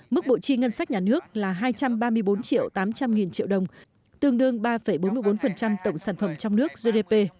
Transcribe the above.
mức bộ chi ngân sách nhà nước là hai trăm ba mươi bốn triệu tám trăm linh nghìn triệu đồng tương đương ba bốn mươi bốn tổng sản phẩm trong nước gdp